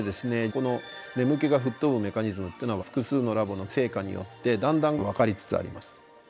この眠気が吹っ飛ぶメカニズムっていうのは複数のラボの成果によってだんだん分かりつつあります。